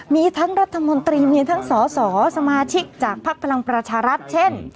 มีทั้งรัฐมนตรีมีทั้งสสสมาชิกจากภักดิ์พลังประชารัฐเช่น